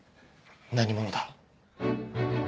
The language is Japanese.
何者だ？